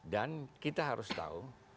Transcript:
dan kita harus tahu